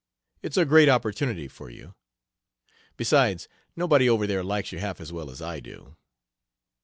it's a great opportunity for you. Besides, nobody over there likes you half as well as I do."